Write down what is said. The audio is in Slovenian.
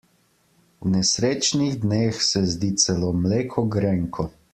V nesrečnih dneh se zdi celo mleko grenko.